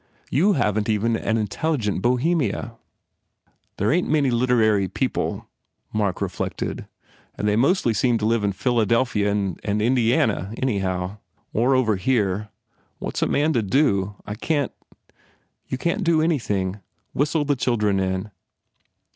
You haven t even an intelligent Bohemia." "There ain t many literary people," Mark re flected, "and they mostly seem to live in Phila delphia and Indiana, anyhow. Or over here. What s a man to do? I can t " "You can t do anything. Whistle the children in.